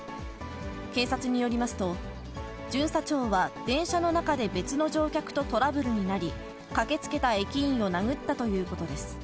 警察によりますと、巡査長は電車の中で別の乗客とトラブルになり、駆けつけた駅員を殴ったということです。